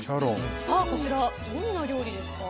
こちら、どんな料理ですか？